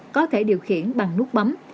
có thể điều khiển bằng nút bấm